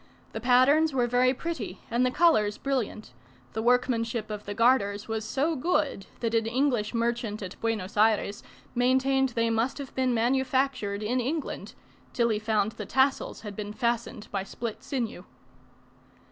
The patterns were very pretty, and the colours brilliant; the workmanship of the garters was so good that an English merchant at Buenos Ayres maintained they must have been manufactured in England, till he found the tassels had been fastened by split sinew.